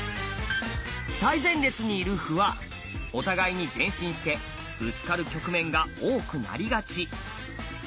最前列にいる歩はお互いに前進してぶつかる局面が多くなりがち。